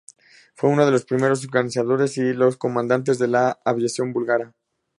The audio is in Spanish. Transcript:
Fue uno de los primeros organizadores y los comandantes de la aviación búlgara.